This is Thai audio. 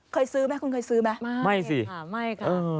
เคยซื้อไหมคุณเคยซื้อไหมไม่ไม่สิค่ะไม่ค่ะ